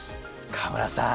川村さん